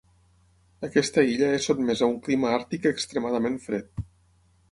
Aquesta illa és sotmesa a un clima àrtic extremadament fred.